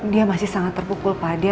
dia masih sangat terpukul padi